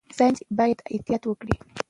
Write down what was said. ساينس باید احتیاط وکړي.